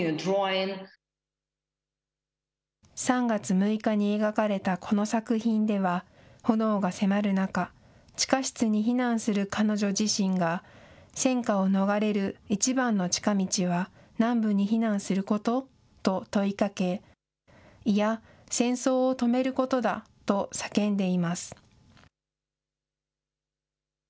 ３月６日に描かれたこの作品では炎が迫る中、地下室に避難する彼女自身が戦火を逃れるいちばんの近道は南部に避難すること？と問いかけ、いや、戦争を止めることだと叫んでいます。